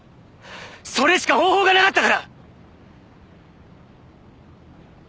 それしか方法がなかったから！